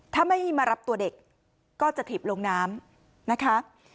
ถ้าไม่มารับตัวเด็กก็จะถีบลงน้ำนะคะ